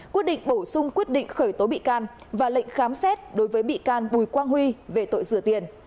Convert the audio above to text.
quyết định bổ sung quyết định khởi tố bị can và lệnh khám xét đối với bị can bùi quang huy về tội rửa tiền